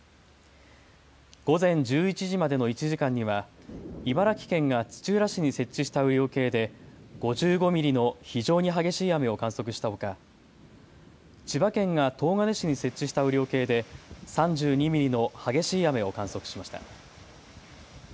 午前１１時までの１時間には茨城県が土浦市に設置した雨量計で５５ミリの非常に激しい雨を観測したほか千葉県が東金市に設置した雨量計で３２ミリの激しい雨を観測しました。